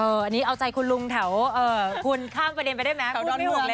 อันนี้เอาใจคุณลุงแถวคุณข้ามประเด็นไปได้ไหม